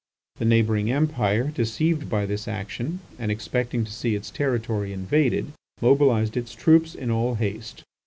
The neighbouring Empire, deceived by this action, and expecting to see its territory invaded, mobilized its troops in all haste.